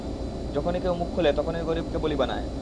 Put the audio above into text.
যখনি কেউ মুখ খুলে তখনি গরিবকে বলি বানায়।